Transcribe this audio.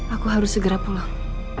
aku harus segera pulang